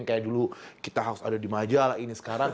kayak dulu kita harus ada di majalah ini sekarang